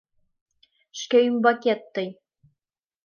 Шке ÿмбакет тый!